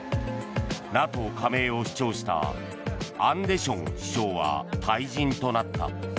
ＮＡＴＯ加盟を主張したアンデション首相は退陣となった。